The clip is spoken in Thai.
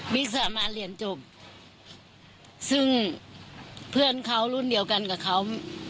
สามารถเรียนจบซึ่งเพื่อนเขารุ่นเดียวกันกับเขา